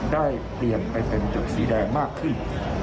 ได้เปลี่ยนไปเป็นจุดสีแดงมากขึ้น